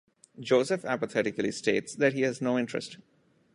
Joseph apathetically states that he has no interest.